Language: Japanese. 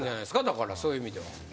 だからそういう意味では。